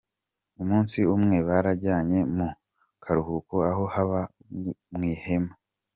Umusi umwe barajanye mu karuhuko aho baba mw’ihema.